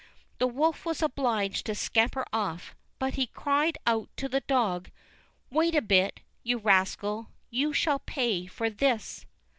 The wolf was obliged to scamper off, but he cried out to the dog: "Wait a bit, you rascal, you shall pay for this!"